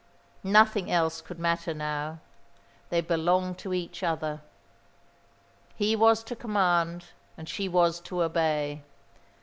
Nothing else could matter now. They belonged to each other. He was to command, and she was to obey.